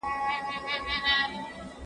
زه اجازه لرم چي واښه راوړم.